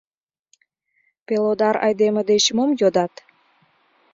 Пелодар айдеме деч мом йодат?